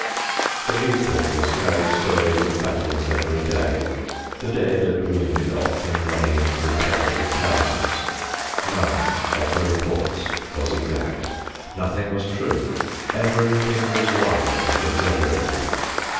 The newspapers carried stories of battles every day, the dead and wounded often running into the tens of thousands. None of the reports was exact. Nothing was true. Everything was wild and exaggerated.